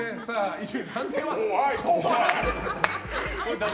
伊集院さん、判定は？